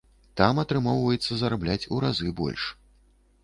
Там атрымоўваецца зарабляць у разы больш.